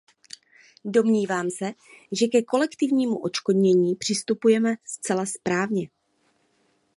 Domnívám se, že ke kolektivnímu odškodnění přistupujeme zcela správně.